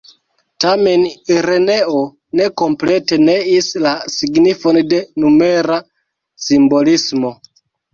Tamen Ireneo ne komplete neis la signifon de numera simbolismo.